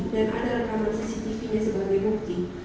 dan ada rekaman cctv nya sebagai bukti